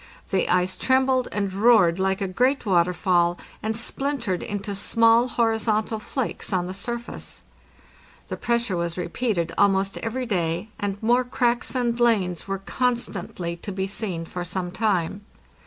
The ice trembled and roared like a great waterfall, and splintered into small horizontal flakes on the surface. The pressure was repeated almost every day, and more cracks and lanes were constantly to be seen for some time.